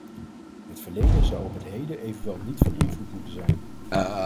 Het verleden zou op het heden evenwel niet van invloed moeten zijn.